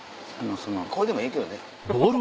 これでもええけどね。